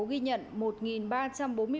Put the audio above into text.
ghi nhận một ba trăm linh bệnh nhân